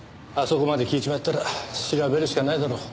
あそこまで聞いちまったら調べるしかないだろ。